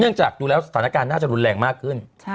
เนื่องจากดูแลวสถานการณ์ว่าน่าจะรุนแรงมากขึ้น